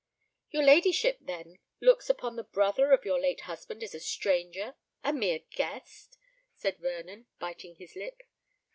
"Your ladyship, then, looks upon the brother of your late husband as a stranger—a mere guest?" said Vernon, biting his lip.